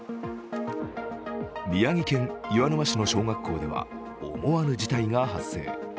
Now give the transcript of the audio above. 宮城県岩沼市の小学校では思わぬ事態が発生。